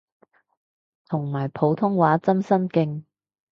同埋普通話真心勁